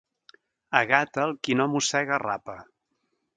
A Gata, el qui no mossega, arrapa.